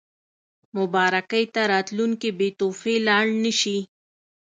مبارکۍ ته راتلونکي بې تحفې لاړ نه شي.